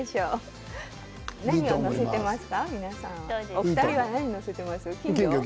お二人は何を載せてます？